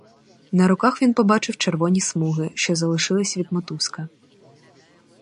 На руках він побачив червоні смуги, що залишились від мотузка.